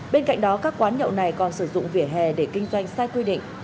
bên cạnh đó các quán nhậu này còn sử dụng vỉa hè để kinh doanh sai quy định